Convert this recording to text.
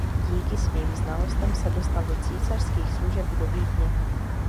Díky svým znalostem se dostal do císařských služeb do Vídně.